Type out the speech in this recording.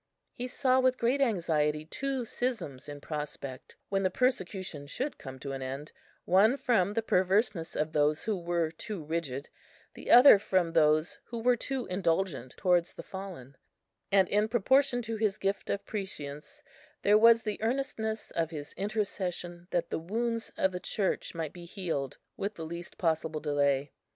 He saw with great anxiety two schisms in prospect, when the persecution should come to an end, one from the perverseness of those who were too rigid, the other from those who were too indulgent towards the fallen; and in proportion to his gift of prescience was the earnestness of his intercession that the wounds of the Church might be healed with the least possible delay.